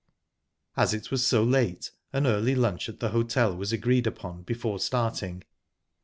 As it was so late, an early lunch at the hotel was agreed upon, before starting.